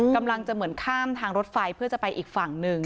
กำลังจะเหมือนข้ามทางรถไฟเพื่อจะไปอีกฝั่งหนึ่ง